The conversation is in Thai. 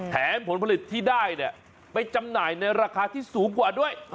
ผลผลิตที่ได้เนี่ยไปจำหน่ายในราคาที่สูงกว่าด้วย